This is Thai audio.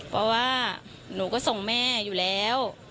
เพราะว่าหนูก็ส่งแม่อยู่แล้ว